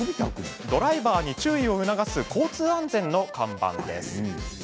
ドライバーに注意を促す交通安全の看板です。